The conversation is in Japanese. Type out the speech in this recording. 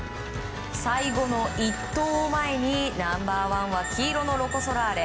最後の１投を前にナンバーワンは黄色のロコ・ソラーレ。